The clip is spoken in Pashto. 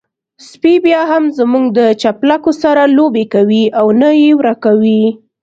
سپی بيا هم زموږ د چپلکو سره لوبې کوي او نه يې ورکوي.